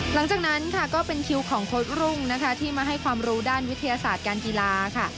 หลังจากนั้นค่ะก็เป็นคิวของโค้ดรุ่งนะคะที่มาให้ความรู้ด้านวิทยาศาสตร์การกีฬาค่ะ